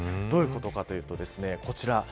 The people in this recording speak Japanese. どういうことかというとこちら。